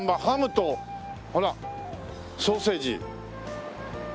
「ハム」とほら「ソーセージ」。